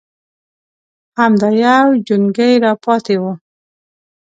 _همدا يو جونګۍ راپاتې و.